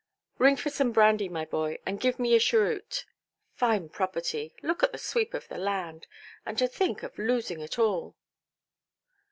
"Ring for some brandy, my boy; and give me a cheroot. Fine property! Look at the sweep of the land—and to think of losing it all"!